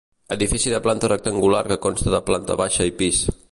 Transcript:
Edifici de planta rectangular que consta de planta baixa i pis.